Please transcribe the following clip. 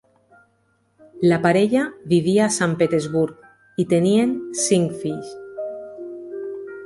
La parella vivia a Sant Petersburg i tenien cinc fills.